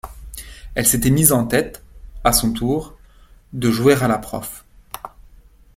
Elle s’était mise en tête, à son tour, de jouer à la prof.